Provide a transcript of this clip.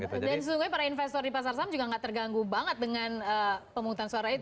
dan sejujurnya para investor di pasar saham juga nggak terganggu banget dengan pemutusan suara itu